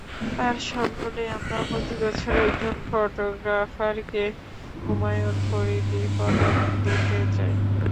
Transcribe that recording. তাঁর সম্মানে আমরা প্রতিবছর একজন ফটোগ্রাফারকে হুমায়ুন ফরীদি পদক দিতে চাই।